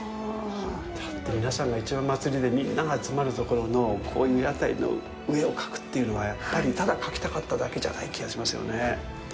だって、皆さんがいちばん祭りでみんなが集まるところのこういう屋台の上を描くというのはやっぱり、ただ描きたかっただけじゃない気がしますよね。